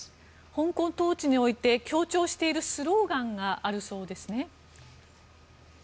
香港統治において強調しているスローガンがあるそうですね。